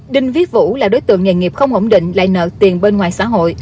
đinh viết vũ là đối tượng nghề nghiệp không ổn định lại nợ tiền bên ngoài xã hội